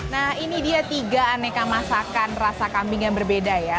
nah ini dia tiga aneka masakan rasa kambing yang berbeda ya